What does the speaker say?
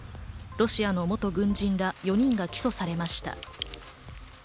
ロシアの元軍人ら４人が起訴されました。